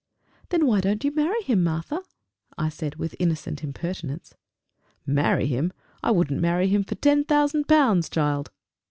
"Then why don't you marry him, Martha?" I said, with innocent impertinence. "Marry him! I wouldn't marry him for ten thousand pounds, child!"